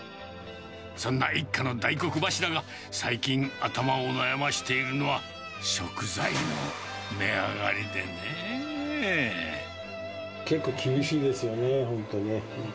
そんな一家の大黒柱が、最近、頭を悩ませているのは、結構、厳しいですよね、本当に。